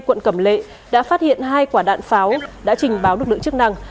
quận cẩm lệ đã phát hiện hai quả đạn pháo đã trình báo lực lượng chức năng